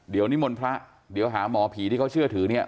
เดี๋ยวนิมนต์พระเดี๋ยวหาหมอผีที่เขาเชื่อถือเนี่ย